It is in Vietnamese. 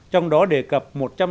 trong đó đề cập